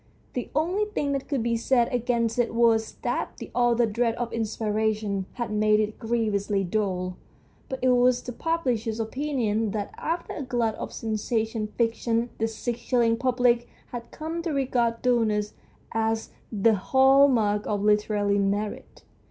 The only tiling that could be said against it was that the author's dread of inspiration had made it grievously dull, but it was the publisher's opinion that after a glut of sensational fiction the six shilling public had come to regard dullness as the hall mark of literary merit.